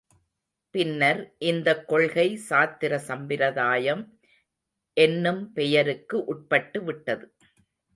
பின்னர் இந்தக் கொள்கை சாத்திர சம்பிரதாயம் என்னும் பெயருக்கு உட்பட்டு விட்டது.